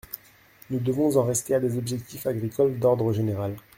Nous devons en rester à des objectifs agricoles d’ordre général.